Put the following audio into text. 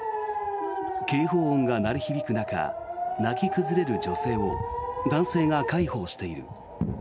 警報音が鳴り響く中泣き崩れる女性を男性が介抱している。